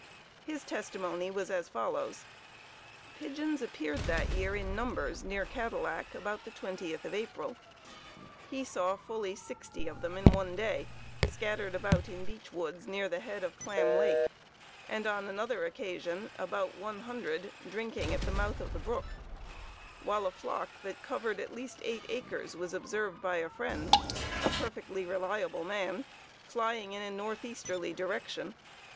His testimony was as follows: 'Pigeons appeared that year in numbers near Cadillac, about the 20th of April. He saw fully sixty in one day, scattered about in beech woods near the head of Clam Lake, and on another occasion about one hundred drinking at the mouth of the brook, while a flock that covered at least 8 acres was observed by a friend, a perfectly reliable man, flying in a north easterly direction.